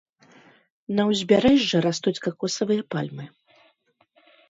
На ўзбярэжжы растуць какосавыя пальмы.